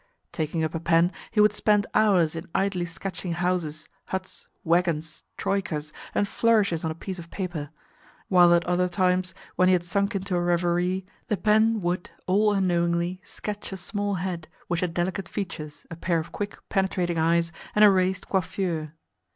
Taking up a pen, he would spend hours in idly sketching houses, huts, waggons, troikas, and flourishes on a piece of paper; while at other times, when he had sunk into a reverie, the pen would, all unknowingly, sketch a small head which had delicate features, a pair of quick, penetrating eyes, and a raised coiffure.